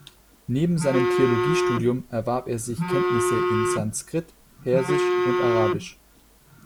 Neben seinem Theologiestudium erwarb er sich Kenntnisse in Sanskrit, Persisch und Arabisch.